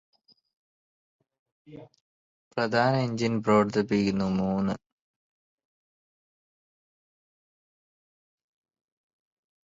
പ്രധാന എന്ജിന് പ്രവര്ത്തിപ്പിക്കുന്നു മൂന്ന്